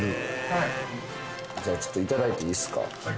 はいじゃあちょっといただいていいですか？